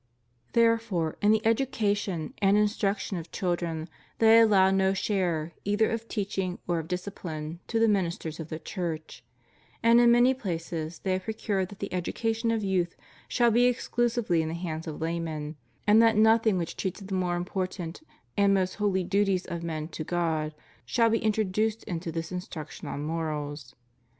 Therefore in the education and itw^jr ciion of 96 FREEMASONRY children they allow no share, either of teaching or of discipline, to the ministers of the Church; and in many places they have procured that the education of youth shall be exclusively in the hands of laymen, and that nothing which treats of the most important and most holy duties of men to God shall be introduced into the instructions on morals.